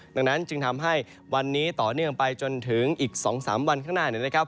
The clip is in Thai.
ดังนั้นจึงทำให้วันนี้ต่อเนื่องไปจนถึงอีก๒๓วันข้างหน้านะครับ